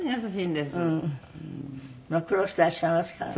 苦労していらっしゃいますからね。